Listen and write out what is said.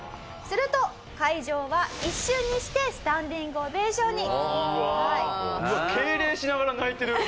すると会場は一瞬にしてスタンディングオベーションに。